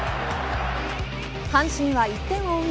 阪神は１点を追う